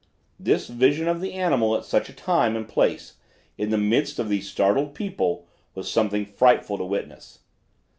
This vision of the animal at such a time and place, in the midst of these startled people, was something frightful to witness.